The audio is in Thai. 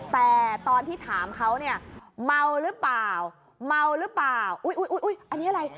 แต่ตอนที่ถามเขามัวหรือเปล่าอุ๊ยอันนี้อะไร